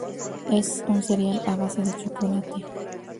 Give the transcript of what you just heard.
Es un cereal a base de chocolate.